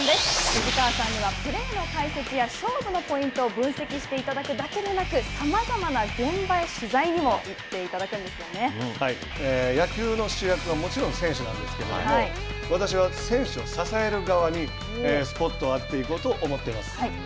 藤川さんには、プレーの解説や勝負のポイントを分析してもらうだけでなくさまざまな現場へ取材にも野球の主役はもちろん選手なんですけれども私は、選手を支える側にスポットを当てていこうと思っています。